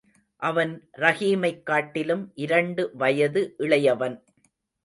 அவன் ரஹீமைக் காட்டிலும் இரண்டு வயது இளையவன்.